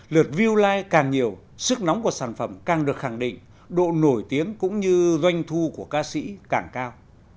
lượt viewlife càng nhiều sức nóng của sản phẩm càng được khẳng định độ nổi tiếng cũng như doanh thu của ca sĩ càng cao